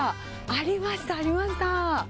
ありました、ありました。